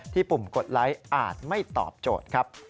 ปุ่มกดไลค์อาจไม่ตอบโจทย์ครับ